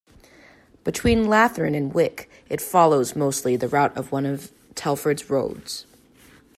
Between Latheron and Wick it follows, mostly, the route of one of Telford's roads.